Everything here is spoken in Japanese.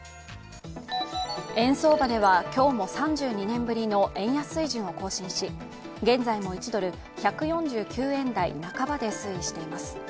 円相場では今日も３２年ぶりの円安水準を更新し現在も１ドル＝１４９円台半ばで推移しています。